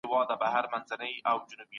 تفسیر د ماناګانو سپړلو ته وایي.